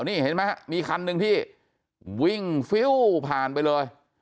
นี่เห็นไหมฮะมีคันหนึ่งที่วิ่งฟิวผ่านไปเลย